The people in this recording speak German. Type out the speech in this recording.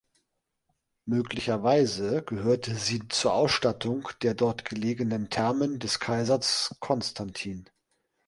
Möglicherweise gehörte sie zur Ausstattung der dort gelegenen Thermen des Kaisers Konstantin.